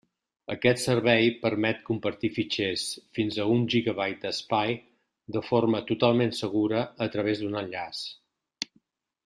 Aquest servei permet compartir fitxers fins a un gigabyte d'espai de forma totalment segura a través d'un enllaç.